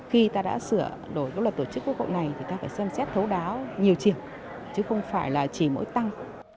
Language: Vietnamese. khi ta đã sửa đổi các luật tổ chức của cộng này thì ta phải xem xét thấu đáo nhiều chiều chứ không phải là chỉ mỗi tăng